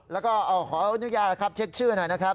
แล้วก็ขออนุญาตนะครับเช็คชื่อหน่อยนะครับ